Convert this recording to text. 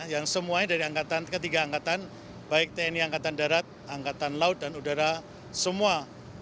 yang semuanya dari ketiga angkatan baik tni angkatan darat angkatan laut dan udara semua